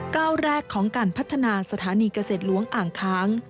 ก้าวแรกของการพัฒนาสถานีเกษตรหลวงอ่างค้าง